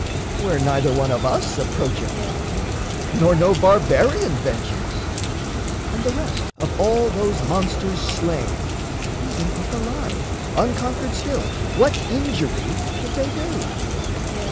Where neither one of us approacheth nigh Nor no barbarian ventures. And the rest Of all those monsters slain, even if alive, Unconquered still, what injury could they do?